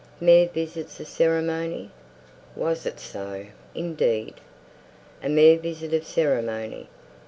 "Mere visits of ceremony!" Was it so, indeed? A "mere visit of ceremony!"